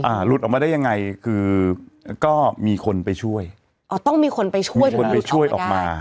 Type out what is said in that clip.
หลุดออกมาได้ยังไงคือก็มีคนไปช่วยอ๋อต้องมีคนไปช่วยคนไปช่วยออกมา